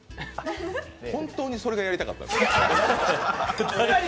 本当にそれがやりたかったんですか？